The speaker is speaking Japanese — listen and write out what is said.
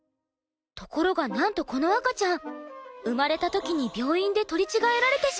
ところがなんとこの赤ちゃん生まれた時に病院で取り違えられてしまったのです。